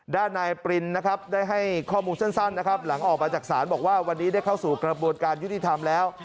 ด้านนายปรินนะครับได้ให้ข้อมูลสั้นนะครับหลังออกมาจากศาลบอกว่าวันนี้ได้เข้าสู่กระบวนการยุติธรรมแล้ว